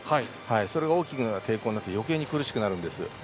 それが抵抗になって余計に苦しくなるんです。